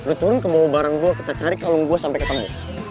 lo turun ke bawa barang gue kita cari kalung gue sampe ketemu